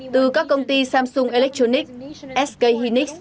từ các công ty samsung electronics sk hynix